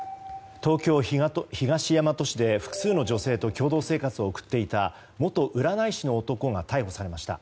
東京・東大和市で複数の女性と共同生活を送っていた元占い師の男が逮捕されました。